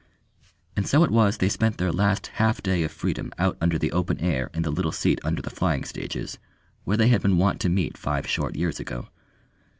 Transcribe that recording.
And so it was they spent their last half day of freedom out under the open air in the little seat under the flying stages where they had been wont to meet five short years ago.